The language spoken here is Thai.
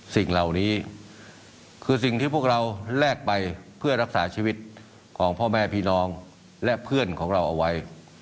สิ่งเหล่านี้คือสิ่งที่พวกเราแลกไปเพื่อรักษาชีวิตของพ่อแม่พี่น้องและเพื่อนของเราเอาไว้